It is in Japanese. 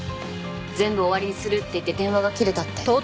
全部終わりにするって言って電話が切れたって。